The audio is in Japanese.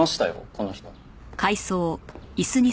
この人。